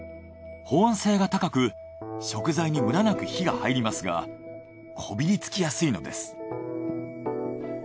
保温性が高く食材にムラなく火が入りますがこびりつきやすいのです。